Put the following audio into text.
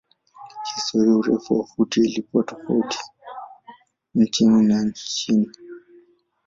Kihistoria urefu wa futi ilikuwa tofauti kati nchi na nchi.